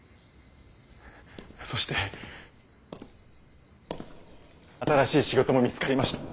そして新しい仕事も見つかりました。